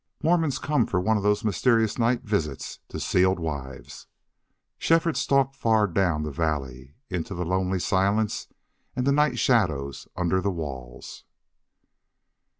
Mormons come for one of those mysterious night visits to sealed wives! Shefford stalked far down the valley, into the lonely silence and the night shadows under the walls.